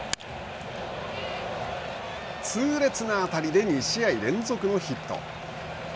痛烈な当たりで２試合連続のヒット。